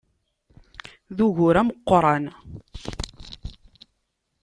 D ugur ameqqran!